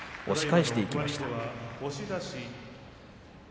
押し返していきました。